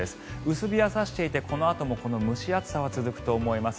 薄日が差していて、このあとも蒸し暑さは続くと思います。